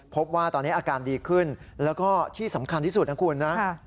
พบว่าตอนนี้อาการดีขึ้นแล้วก็ที่สำคัญที่สุดนะคุณนะ